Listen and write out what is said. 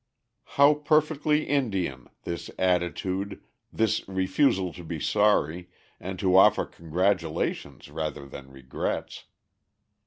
How perfectly Indian, this attitude, this refusal to be sorry, and to offer congratulations rather than regrets.